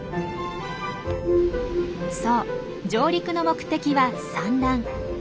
そう上陸の目的は産卵。